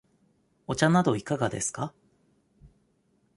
お茶などいかがですか。